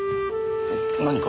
何か？